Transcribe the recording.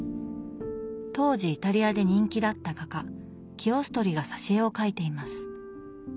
当時イタリアで人気だった画家キオストリが挿絵を描いています。